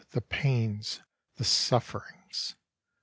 the pains! the sufferings!